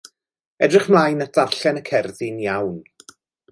Edrych mlaen at ddarllen y cerddi'n iawn.